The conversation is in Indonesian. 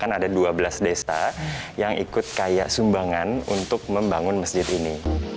dua belas ini menandakan ada dua belas desa yang ikut kaya sumbangan untuk membangun masjid ini